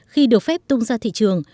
khi được phép tung ra thị trường